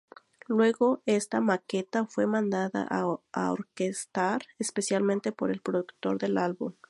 Luego esta maqueta fue mandada a orquestar especialmente por el productor del álbum.